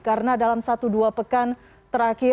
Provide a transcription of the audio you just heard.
karena dalam satu dua pekan terakhir